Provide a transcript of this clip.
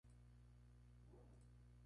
Avanza a semifinales.